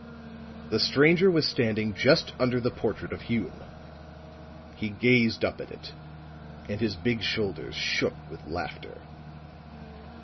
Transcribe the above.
The stranger was standing just under the portrait of Hume; he gazed up at it, and his big shoulders shook with laughter.